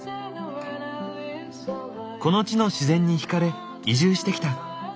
この地の自然に惹かれ移住してきた。